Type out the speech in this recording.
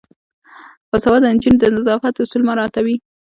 باسواده نجونې د نظافت اصول مراعاتوي.